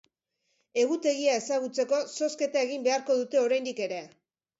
Egutegia ezagutzeko zozketa egin beharko dute oraindik ere.